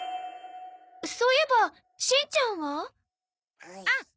そういえばしんちゃんは？あっああ！